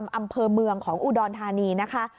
อำเภอเมืองของอุดรธานีนะคะ